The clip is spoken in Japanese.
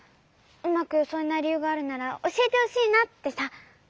うまくよそえないりゆうがあるならおしえてほしいなってさ。